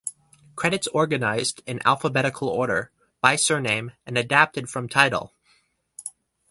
Credits organized in alphabetical order by surname and adapted from Tidal.